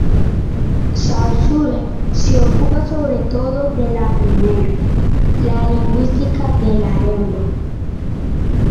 Saussure se ocupa sobre todo de la primera, la lingüística de la lengua.